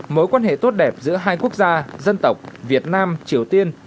mối quan hệ tốt đẹp giữa hai quốc gia dân tộc việt nam triều tiên